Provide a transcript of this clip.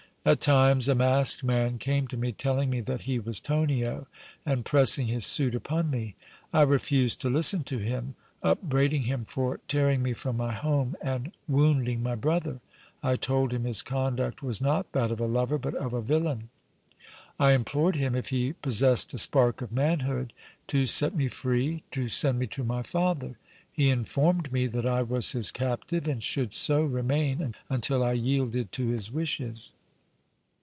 At times a masked man came to me, telling me that he was Tonio and pressing his suit upon me. I refused to listen to him, upbraiding him for tearing me from my home and wounding my brother. I told him his conduct was not that of a lover, but of a villain. I implored him, if he possessed a spark of manhood, to set me free, to send me to my father. He informed me that I was his captive and should so remain until I yielded to his wishes.